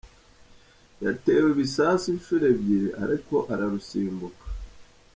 Yatezwe ibisasu inshuro ebyiri ariko ararusimbuka.